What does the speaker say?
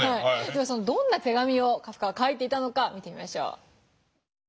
ではどんな手紙をカフカは書いていたのか見てみましょう。